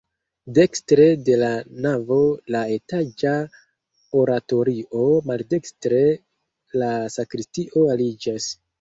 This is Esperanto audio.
Dekstre de la navo la etaĝa oratorio, maldekstre la sakristio aliĝas.